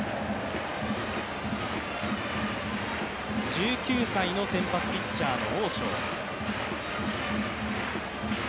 １９歳の先発ピッチャーのオウ・ショウ。